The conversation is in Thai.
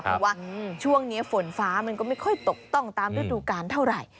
เพราะว่าช่วงนี้ฝนฟ้ามันก็ไม่ค่อยตกต้องตามฤดูการเท่าไหร่